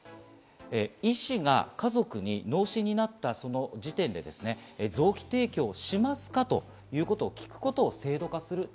医師が家族に脳死になったその時点で、臓器提供をしますか？ということを聞くことを制度化する。